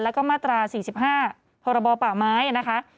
แล้วก็มาตรา๔๕พรบป่าไม้นะคะ